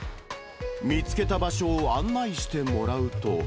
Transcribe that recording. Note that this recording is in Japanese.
見つけた場所を案内してもらうと。